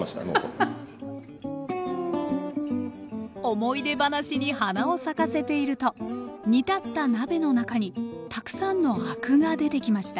思い出話に花を咲かせていると煮立った鍋の中にたくさんのアクが出てきました